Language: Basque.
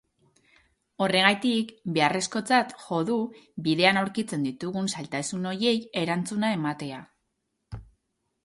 Horregatik, beharrezkotzat jo du bidean aurkitzen ditugun zailtasun horiei erantzuna ematea.